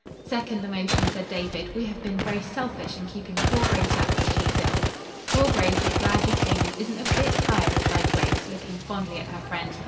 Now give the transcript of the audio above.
"Second the motion," said David. "We have been very selfish in keeping poor Grace up when she is ill." "Poor Grace is glad you came, and isn't a bit tired," replied Grace, looking fondly at her friends.